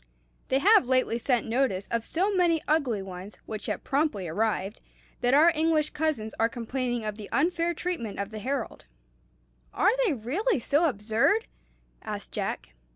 They have lately sent notice of so many ugly ones, which have promptly arrived, that our English cousins are complaining of the unfair treatment of the Herald." "Are they really so absurd?" asked Jack.